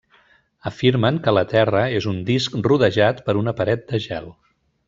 Afirmen que la Terra és un disc rodejat per una paret de gel.